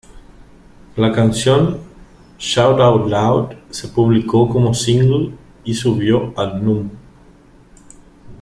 La canción "Shout Out Loud" se publicó como single y subió al Núm.